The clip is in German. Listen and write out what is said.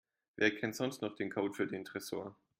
Wer kennt sonst noch den Code für den Tresor?